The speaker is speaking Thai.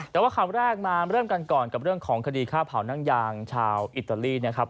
แต่ว่าคำแรกมาเริ่มกันก่อนกับเรื่องของคดีฆ่าเผานั่งยางชาวอิตาลีนะครับ